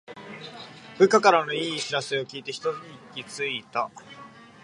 部下からの良い知らせを聞いてひと息ついた